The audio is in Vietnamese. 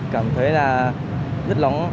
cảm thấy là rất lóng